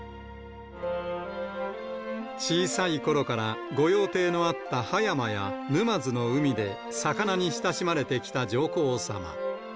小さいころから、御用邸のあった葉山や沼津の海で魚に親しまれてきた上皇さま。